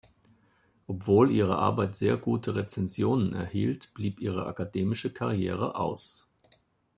Obwohl ihre Arbeit sehr gute Rezensionen erhielt, blieb ihre akademische Karriere aus.